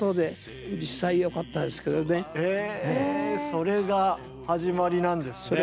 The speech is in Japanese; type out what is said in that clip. それが始まりなんですね。